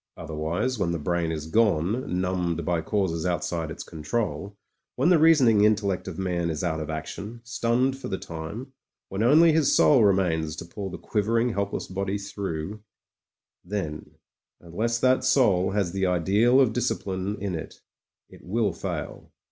Otherwise, when the brain PRIVATE MEYRICK— COMPANY IDIOT 51 is gone — ^numbed by causes outside its control; when the reasoning intellect of man is out of action — stunned for the time; when only his soul remains to pull the quivering, helpless body through, — ^then, un less that soul has the ideal of discipline in it, it will fail.